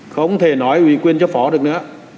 không thể nói ủy quyền cho phó được nữa